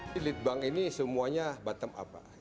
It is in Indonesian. di litbang ini semuanya bottom up